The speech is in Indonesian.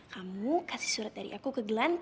kamu kasih surat dari aku ke glan